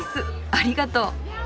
ありがとう。